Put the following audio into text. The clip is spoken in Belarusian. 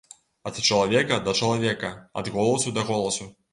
Ад чалавека да чалавека, ад голасу да голасу.